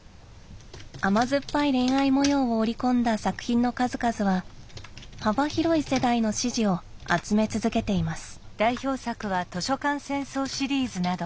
甘酸っぱい恋愛模様を織り込んだ作品の数々は幅広い世代の支持を集め続けています。